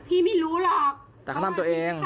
พี่ไม่รู้หรอก